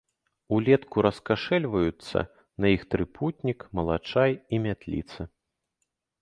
Улетку раскашэльваюцца на іх трыпутнік, малачай і мятліца.